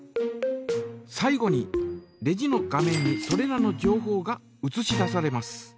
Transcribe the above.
最後にレジの画面にそれらの情報がうつし出されます。